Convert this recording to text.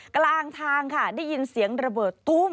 กลางทางค่ะได้ยินเสียงระเบิดตุ้ม